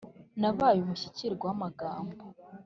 Nabaye umushyikirwa w'amagambo